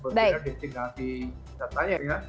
sebenarnya disinggahi wisatanya ya